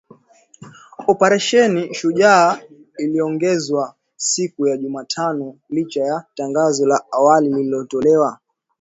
Operesheni Shujaa iliongezwa siku ya Jumatano licha ya tangazo la awali lililotolewa